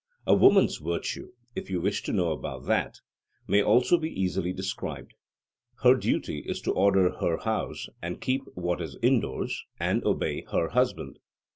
A woman's virtue, if you wish to know about that, may also be easily described: her duty is to order her house, and keep what is indoors, and obey her husband.